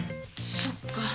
そっか。